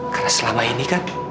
karena selama ini